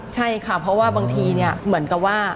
ใช่ค่ะเพราะว่าบางทีเนี่ยเหมือนกับว่า